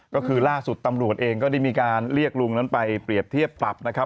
ก็คือล่าสุดตำรวจเองก็ได้มีการเรียกลุงนั้นไปเปรียบเทียบปรับนะครับ